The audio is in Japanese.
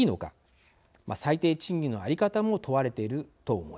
最低賃金の在り方も問われていると思います。